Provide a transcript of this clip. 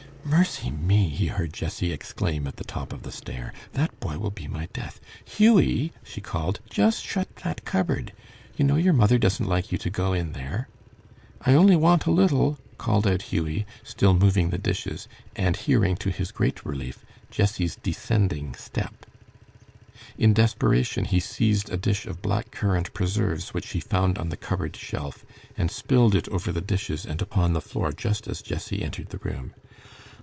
"Mercy me!" he heard Jessie exclaim at the top of the stair. "That boy will be my death. Hughie," she called, "just shut that cupboard! You know your mother doesn't like you to go in there." "I only want a little," called out Hughie, still moving the dishes, and hearing, to his great relief, Jessie's descending step. In desperation he seized a dish of black currant preserves which he found on the cupboard shelf, and spilled it over the dishes and upon the floor just as Jessie entered the room.